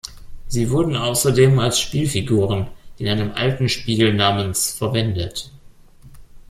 Sie wurden außerdem als Spielfiguren in einem alten Spiel namens verwendet.